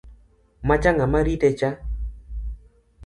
Macha ng’a maritecha